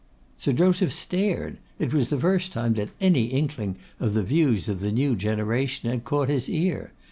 Sir Joseph stared; it was the first time that any inkling of the views of the New Generation had caught his ear.